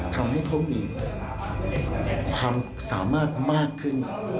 ทำให้เขามีความสามารถมากขึ้น